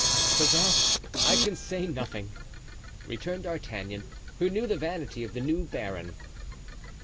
"To that I can say nothing," returned D'Artagnan, who knew the vanity of the new baron.